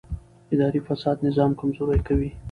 اداري فساد نظام کمزوری کوي